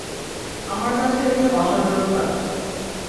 আমার কাছে একে অসাধারণ লাগছে।